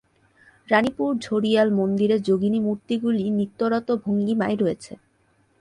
রাণীপুর-ঝড়িয়াল মন্দিরে যোগিনী মূর্তিগুলি নৃত্যরত ভঙ্গিমায় রয়েছে।